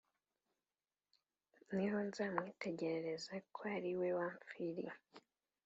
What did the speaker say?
niho nzamwitegereza, kw ari we wampfiriye